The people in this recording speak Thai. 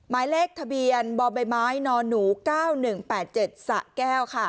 ไม้เลขทะเบียนบอมใบไม้นอนหนูเก้าหนึ่งแปดเจ็ดสะแก้วค่ะ